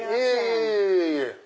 いえいえ。